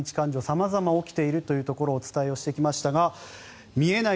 様々起きているというところをお伝えしてきましたが見えない